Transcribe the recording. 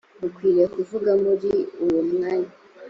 mukwiriye kuvuga muri uwo mwanya